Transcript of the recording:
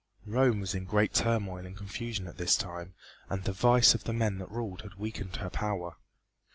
Rome was in great turmoil and confusion at this time, and the vice of the men that ruled had weakened her power.